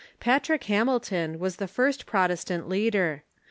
Patrick Hamilton was the first Protestant leader.